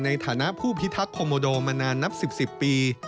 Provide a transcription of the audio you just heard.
ในฐานะผู้พิทักษ์คอมโมโดมานานนับ๑๐ปี